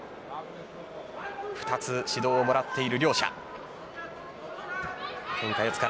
２つ指導をもらっている両者です。